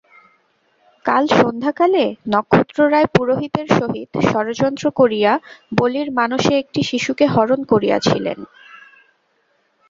কাল সন্ধ্যাকালে নক্ষত্ররায় পুরোহিতের সহিত ষড়যন্ত্র করিয়া বলির মানসে একটি শিশুকে হরণ করিয়াছিলেন।